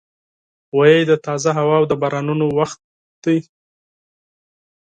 غویی د تازه هوا او بارانونو وخت دی.